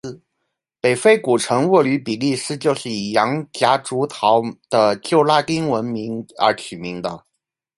北非古城沃吕比利斯就是以洋夹竹桃的旧拉丁文名而取名的。